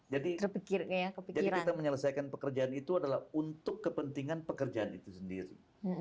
jadi kita menyelesaikan pekerjaan itu adalah untuk kepentingan pekerjaan itu sendiri